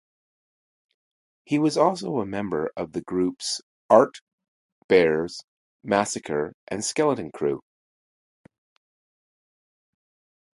He was also a member of the groups Art Bears, Massacre, and Skeleton Crew.